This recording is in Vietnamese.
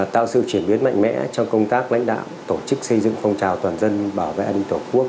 tạo sự chuyển biến mạnh mẽ trong công tác lãnh đạo tổ chức xây dựng phong trào toàn dân bảo vệ an ninh tổ quốc